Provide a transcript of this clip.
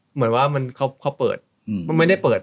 เหมือนว่ามันเขาเปิด